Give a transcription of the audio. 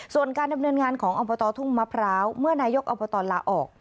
ส่วนการดำเนินงานของอบตทุ่งมะพร้าวเมื่อนายกอบตลาออก